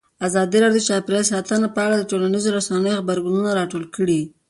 ازادي راډیو د چاپیریال ساتنه په اړه د ټولنیزو رسنیو غبرګونونه راټول کړي.